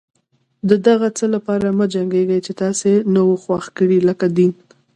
د هغه څه لپاره مه جنګيږئ چې تاسې نه و خوښ کړي لکه دين.